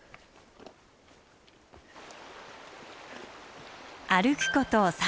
歩くこと３０分。